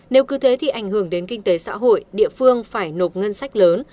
nếu cứ thế thì ảnh hưởng đến kinh tế xã hội địa phương phải nộp ngân sách lớn